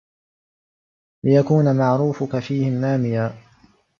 لِيَكُونَ مَعْرُوفُك فِيهِمْ نَامِيًا